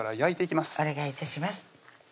お願い致します